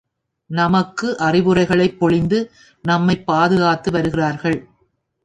நமக்கு அறவுரைகளைப் பொழிந்து நம்மைப் பாதுகாத்து வருகிறார்கள்.